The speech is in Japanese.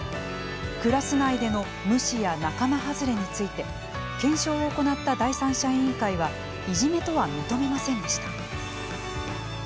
クラス内での無視や仲間はずれについて検証を行った第三者委員会はいじめとは認めませんでした。